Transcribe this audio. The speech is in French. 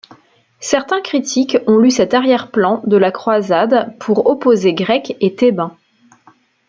Certains critiques ont lu cet arrière-plan de la croisade pour opposer grecs et Thébains.